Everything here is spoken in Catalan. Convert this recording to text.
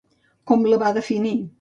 Com la va definir?